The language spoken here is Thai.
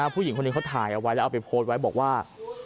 ผู้หญิงคนหนึ่งเขาถ่ายเอาไว้แล้วเอาไปโพสต์ไว้บอกว่า